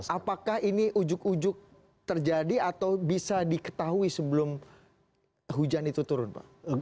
apakah ini ujuk ujuk terjadi atau bisa diketahui sebelum hujan itu turun pak